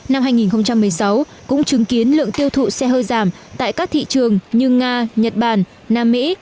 năm hai nghìn một mươi sáu cũng chứng kiến lượng tiêu thụ xe hơi giảm tại các thị trường như nga nhật bản nam mỹ